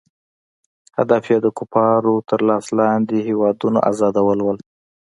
هدف یې د کفارو تر لاس لاندې هیوادونو آزادول وو.